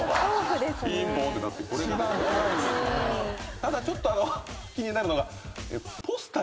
ただちょっと気になるのが。